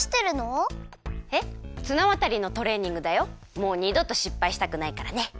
もうにどとしっぱいしたくないからね。